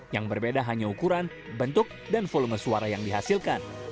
yang berbeda hanya ukuran bentuk dan volume suara yang dihasilkan